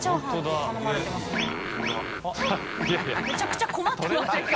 めちゃくちゃ困ってませんか？